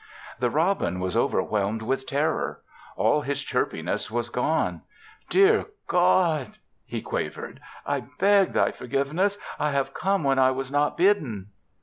The robin was overwhelmed with terror. All his chirpiness was gone. "Dear God," he quavered, "I beg Thy forgiveness. I have come when I was not bidden."